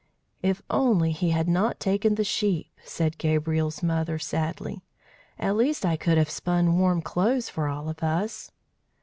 "If only he had not taken the sheep," said Gabriel's mother, sadly, "at least I could have spun warm clothes for all of us!"